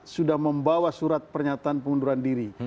sudah membawa surat pernyataan pengunduran diri